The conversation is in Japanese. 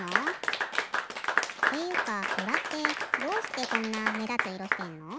っていうかとらってどうしてこんなめだついろしてんの？